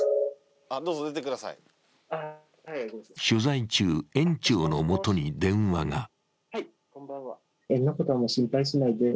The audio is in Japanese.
取材中、園長のもとに電話が。